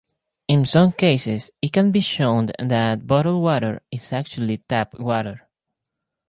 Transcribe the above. In some cases it can be shown that bottled water is actually tap water.